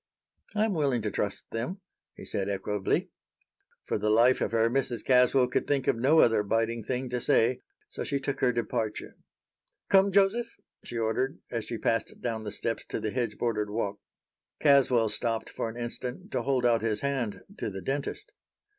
"I am willing to trust them," he said, equably. For the life of her, Mrs. Caswell could think of no other biting thing to say, so she took her departure. "Come, Joseph," she ordered, as she passed down the steps to the hedge bordered walk. Caswell stopped for an instant to hold out his hand to the dentist.